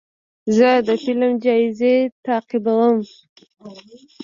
زه د فلم جایزې تعقیبوم.